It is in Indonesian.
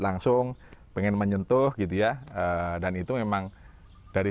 langsung pengen menyentuh gitu ya dan itu memang dari saat ini kita bisa menerima jasa yang sangat mudah